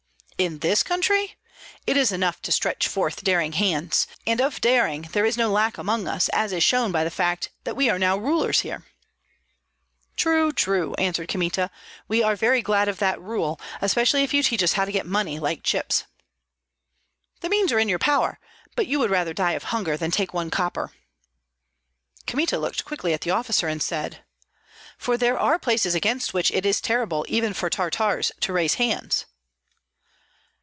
"In this country? It is enough to stretch forth daring hands. And of daring there is no lack among us, as is shown by the fact that we are now rulers here." "True, true," answered Kmita; "we are very glad of that rule, especially if you teach us how to get money like chips." "The means are in your power, but you would rather die of hunger than take one copper." Kmita looked quickly at the officer, and said, "For there are places against which it is terrible, even for Tartars, to raise hands."